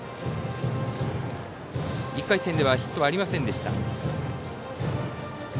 １回戦ではヒットはありませんでした。